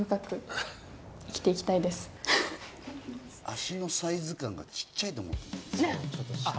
足のサイズ感がちっちゃいってこと。